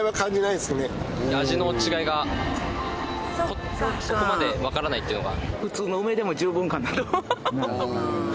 味の違いがそこまでわからないっていうのが。